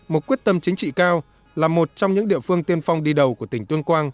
một quyết tâm chính trị cao là một trong những địa phương tiên phong đi đầu của tỉnh tuyên quang